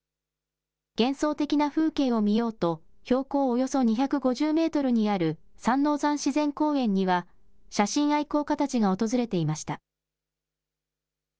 幻想的な風景を見ようと標高およそ２５０メートルにある三王山自然公園には写真愛好家たちが訪れていました。